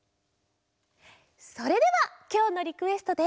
それではきょうのリクエストで。